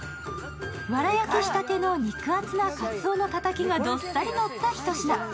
わら焼きしたての肉厚な鰹のたたきがどっさりのったひと品。